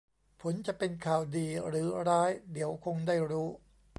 ผลจะเป็นข่าวดีหรือร้ายเดี๋ยวคงได้รู้